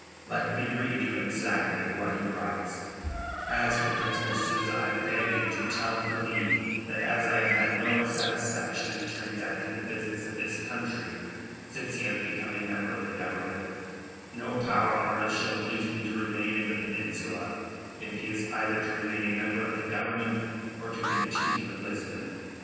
"Let me read you exactly what he writes: "'As for Principal Souza, I beg you to tell him from me that as I have had no satisfaction in transacting the business of this country since he has become a member of the Government, no power on earth shall induce me to remain in the Peninsula if he is either to remain a member of the Government or to continue in Lisbon.